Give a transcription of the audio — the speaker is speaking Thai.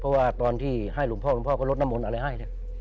เพราะว่าตอนที่ให้หลวงพ่อก็ลดน้ำมนอะไรให้